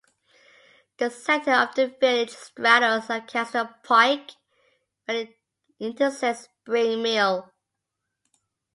The center of the village straddles Lancaster Pike where it intersects Spring Mill.